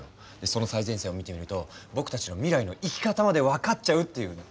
その最前線を見てみると僕たちの未来の生き方まで分かっちゃうっていうね。